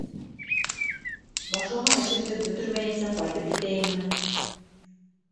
Башлаған эшемде бөтөрмәйенсә ҡайтып китәйемме?